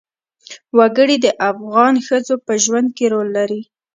وګړي د افغان ښځو په ژوند کې رول لري.